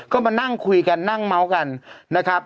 ก็มานั่งคุยกันนั่งเมาส์กันนะครับ